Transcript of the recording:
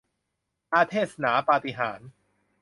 อาเทสนาปาฏิหาริย์